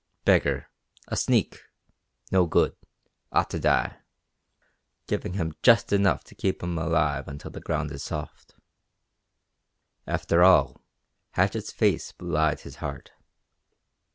"Beggar. A sneak. No good. Ought to die. Giving him just enough to keep him alive until the ground is soft." After all, Hatchett's face belied his heart.